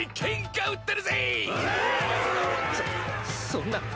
そそんな。